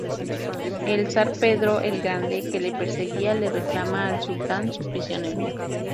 El zar Pedro el Grande, que le perseguía, le reclama al sultán su prisionero.